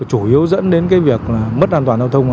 chủ yếu dẫn đến việc mất an toàn giao thông